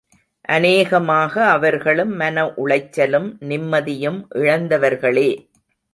அநேகமாக அவர்களும் மன உளைச்சலும் நிம்மதியும் இழந்தவர்களே.